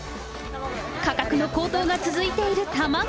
価格の高騰が続いている卵。